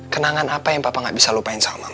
kenangan apa yang papa gak bisa lupain sama mama